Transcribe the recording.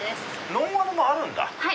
ノンアルもあるんだ！